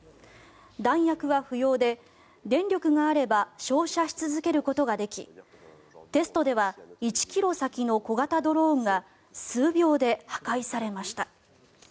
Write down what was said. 弾薬は不要で、電力があれば照射し続けることができテストでは１ｋｍ先の小型ドローンが数秒で破壊されました。